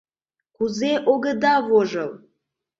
— Кузе огыда вожыл!